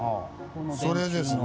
それですね。